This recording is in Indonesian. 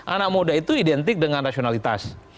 anak muda itu identik dengan rasionalitas